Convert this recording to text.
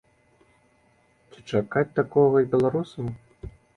Ці чакаць такога і беларусам?